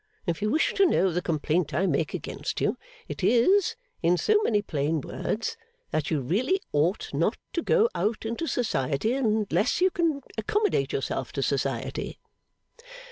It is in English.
If you wish to know the complaint I make against you, it is, in so many plain words, that you really ought not to go into Society unless you can accommodate yourself to Society.